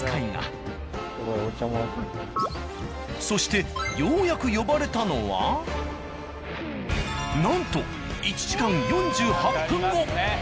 そしてようやく呼ばれたのはなんと１時間４８分後。